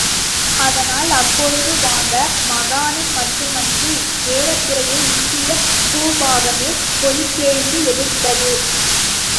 அதனால், அப்போது வங்க மாகாணம் மட்டுமன்று, ஏறக்குறைய இந்திய பூபாகமே கொதித்தெழுந்து எதிர்த்தது.